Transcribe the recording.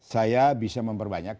saya bisa memperbanyak